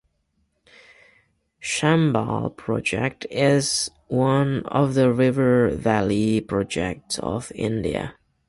Chambal Project is one of the river valley projects of India.